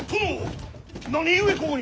何故ここに！